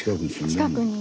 近くに。